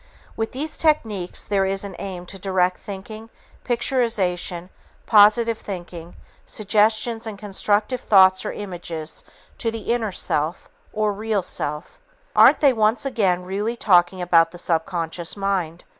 With these techniques there is an aim to direct thinking, picturization, positive thinking, suggestions and constructive thoughts or images to the "inner self" or "real self." Aren't they once again really talking about the subconscious mind?